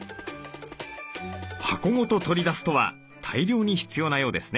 箱ごと取り出すとは大量に必要なようですね。